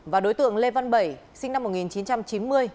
và đối tượng lê văn bảy sinh năm một nghìn chín trăm chín mươi